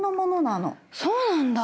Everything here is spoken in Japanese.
そうなんだ。